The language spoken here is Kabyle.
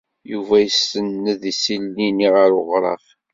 Yuba isenned isili-nni ɣer uɣrab.